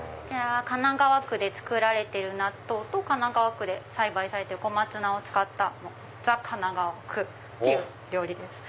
神奈川区で作られてる納豆と神奈川区で栽培されてる小松菜を使ったザ神奈川区っていう料理です。